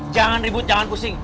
jangan ribut jangan pusing